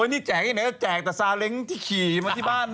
พี่แจกไอ้หนึ่งก็แจกแต่ซาเล้งที่ขี่มาที่บ้าน